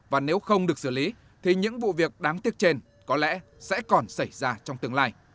và nếu không được xử lý thì những vụ việc đáng tiếc trên có lẽ sẽ còn xảy ra trong tương lai